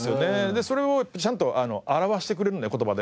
でそれをちゃんと表してくれるので言葉で。